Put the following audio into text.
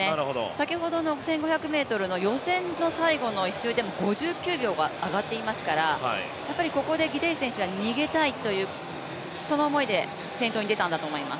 先ほどの１５００ｍの予選の最後の１周でも５９秒と上がっていますから、ここでギデイ選手は逃げたいという思いで先頭に出たんだと思います。